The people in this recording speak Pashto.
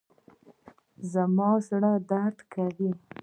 زما زړه درد کوي